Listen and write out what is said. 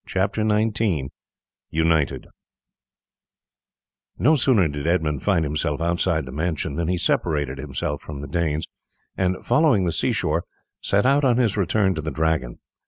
CHAPTER XIX: UNITED No sooner did Edmund find himself outside the mansion than he separated himself from the Danes, and following the sea shore, set out on his return to the Dragon.